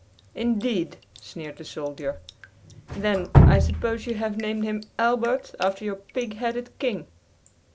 "Indeed!" sneered the soldier; "then, I suppose you have named him Albert after your pig headed King!"